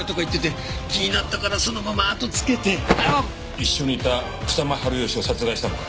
一緒にいた草間治義を殺害したのか？